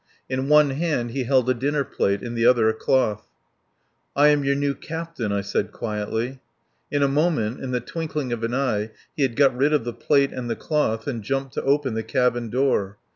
In one hand he held a dinner plate, in the other a cloth. "I am your new Captain," I said quietly. In a moment, in the twinkling of an eye, he had got rid of the plate and the cloth and jumped to open the cabin door.